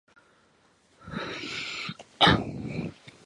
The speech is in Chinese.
南坛县是越南革命家潘佩珠和胡志明的故乡。